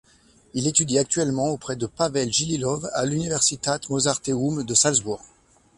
Il étudie actuellement auprès de Pavel Gililov à l’Universität Mozarteum de Salzbourg.